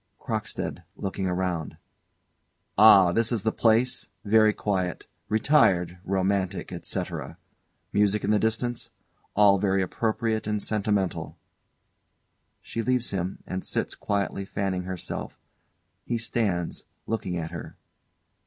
_ CROCKSTEAD. [Looking around.] Ah this is the place very quiet, retired, romantic et cetera. Music in the distance all very appropriate and sentimental. [_She leaves him, and sits, quietly fanning herself; he stands, looking at her.